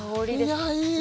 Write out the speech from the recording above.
いやいい